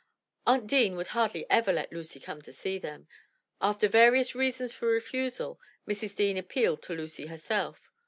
Aunt Deane would hardly ever let Lucy come to see them. After various reasons for refusal, Mrs. Deane appealed to Lucy herself.